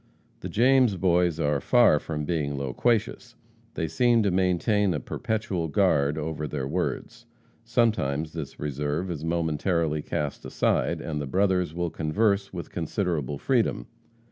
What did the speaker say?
"The James Boys are far from being loquacious. They seem to maintain a perpetual guard over their words. Sometimes this reserve is momentarily cast aside, and the brothers will converse with considerable freedom.